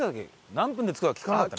何分で着くか聞かなかった。